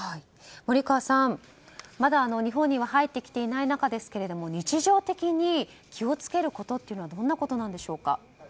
森川さん、まだ日本には入ってきていない中ですが日常的に気を付けることはどんなことでしょうか？